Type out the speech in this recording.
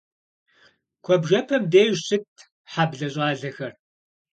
Куэбжэпэм деж щытт хьэблэ щӏалэхэр.